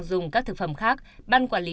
dùng các thực phẩm khác ban quản lý